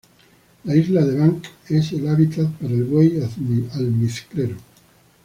La isla de Banks es el hábitat para el buey almizclero.